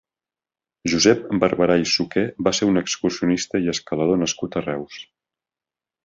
Josep Barberà i Suqué va ser un excursionista i escalador nascut a Reus.